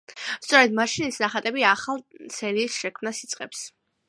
სწორედ მაშინ ის ნახატების ახალ სერიის შექმნას იწყებს.